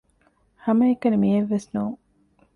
ހަމައެކަނި މިއެއްވެސް ނޫން